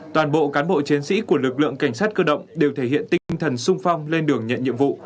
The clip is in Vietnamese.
toàn bộ cán bộ chiến sĩ của lực lượng cảnh sát cơ động đều thể hiện tinh thần sung phong lên đường nhận nhiệm vụ